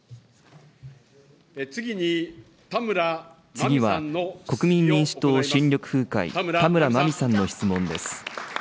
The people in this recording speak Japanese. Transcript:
次は国民民主党・新緑風会、田村まみさんの質問です。